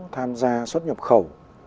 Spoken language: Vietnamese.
tham gia xuất nhập khẩu